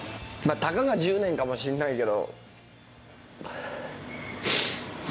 たかが１０年かもしんないけど。